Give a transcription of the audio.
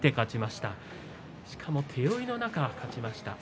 しかも手負いの中、勝ちました。